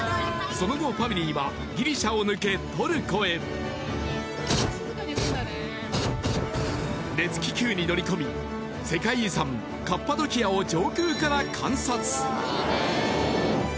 その後ファミリーは熱気球に乗り込み世界遺産カッパドキアを上空から観察